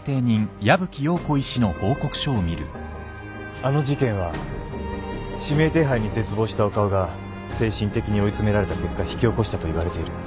あの事件は指名手配に絶望した岡尾が精神的に追い詰められた結果引き起こしたといわれている。